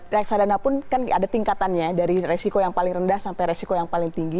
reksadana pun kan ada tingkatannya dari resiko yang paling rendah sampai resiko yang paling tinggi